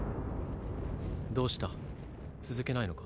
どうした続けないのか？